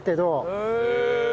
へえ。